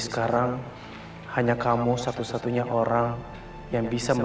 ini mengatakanush di dalamelse organ grande